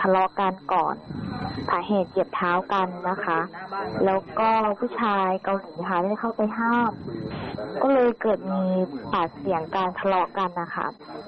แล้วก็ผู้ชายเกาหลีพาได้เข้าไปห้ามก็เลยเกิดมีปากเสี่ยงการทะเลากันนะคะ